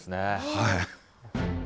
はい。